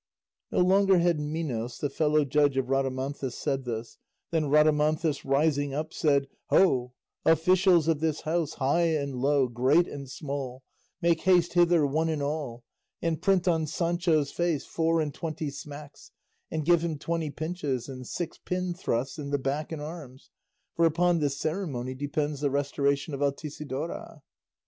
No sooner had Minos the fellow judge of Rhadamanthus said this, than Rhadamanthus rising up said: "Ho, officials of this house, high and low, great and small, make haste hither one and all, and print on Sancho's face four and twenty smacks, and give him twelve pinches and six pin thrusts in the back and arms; for upon this ceremony depends the restoration of Altisidora."